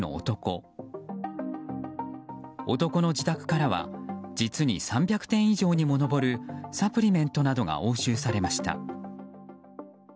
男の自宅からは実に３００点以上にも上るサプリメントなどが押収されました。